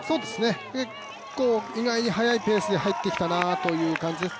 結構、意外に速いペースで入ってきたなという感じです。